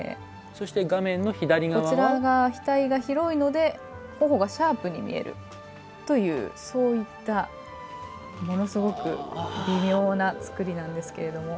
こちら側、額が広いので頬がシャープに見えるというそういったものすごく微妙な作りなんですけれども。